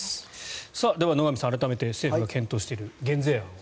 では野上さん、改めて政府が検討している減税案を。